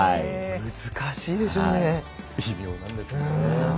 難しいでしょうね。